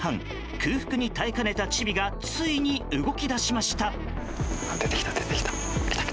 空腹に耐えかねたチビがついに動き出しました。